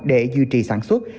để duy trì sản xuất